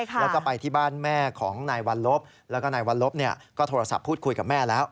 แล้วก็ไปที่บ้านแม่ของนายวัลลบแล้วก็นายวัลลบก็โทรศัพท์พูดคุยกับแม่แล้ว